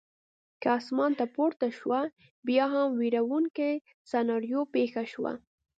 کې اسمان ته پورته شوه، بیا هم وېروونکې سناریو پېښه شوه.